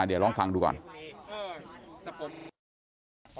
เดี๋ยวลองฟังดูก่อน